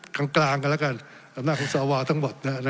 กลางกันแล้วกันอำนาจของสวทั้งหมด